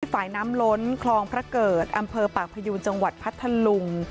ฝ่ายน้ำล้นคลองพระเกิดอำเภอปากพยูนจังหวัดพัทธลุง